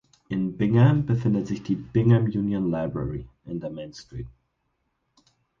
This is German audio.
In Bingham befindet sich die "Bingham Union Library" in der Main Street.